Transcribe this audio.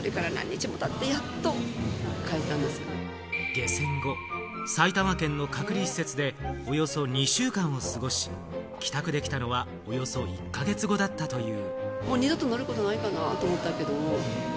下船後、埼玉県の隔離施設でおよそ２週間を過ごし、帰宅できたのはおよそ１か月後だったという。